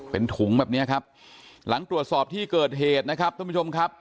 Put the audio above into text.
เป็นถุงแบบเนี้ยครับหลังตรวจสอบที่เกิดเหตุนะครับท่านผู้ชมครับ